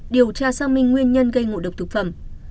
điều tra xác minh nguyên nhân gây ngộ độc thực phẩm